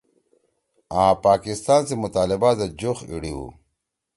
آں پاکستان سی مطالبہ زید جُوخ ایِڑی ہُو